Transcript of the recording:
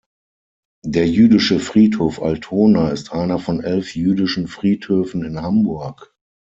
Der Jüdische Friedhof Altona ist einer von elf jüdischen Friedhöfen in Hamburg.